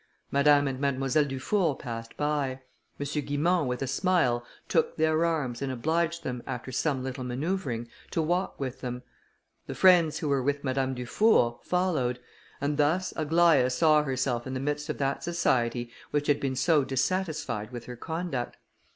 Madame and Mademoiselle Dufour passed by. M. Guimont, with a smile, took their arms, and obliged them, after some little manoeuvring, to walk with them. The friends who were with Madame Dufour, followed, and thus Aglaïa saw herself in the midst of that society which had been so dissatisfied with her conduct.